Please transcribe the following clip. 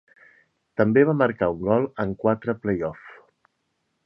També va marcar un gol en quatre play-off.